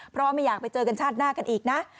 เพราะว่าไม่อยากไปเจอกันชาติหน้ากันอีกนะ